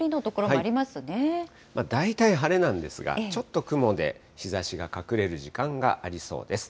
大体晴れなんですが、ちょっと雲で日ざしが隠れる時間がありそうです。